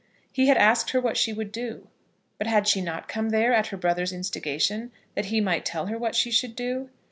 He had asked her what she would do! But had she not come there, at her brother's instigation, that he might tell her what she should do?